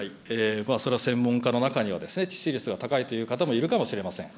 それは専門家の中には致死率が高いという方もいるかもしれません。